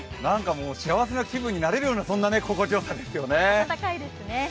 もう幸せな気分になれるような心地よさですよね。